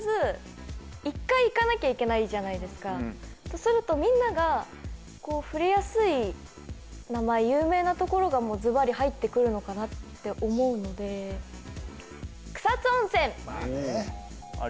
必ずとするとみんながこう触れやすい名前有名なところがズバリ入ってくるのかなって思うのでまあね・あり